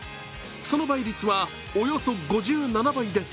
その倍率は、およそ５７倍です。